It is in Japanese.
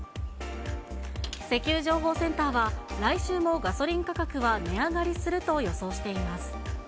石油情報センターは、来週もガソリン価格は値上がりすると予想しています。